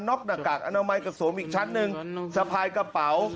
็กหน้ากากอนามัยกับสวมอีกชั้นหนึ่งสะพายกระเป๋า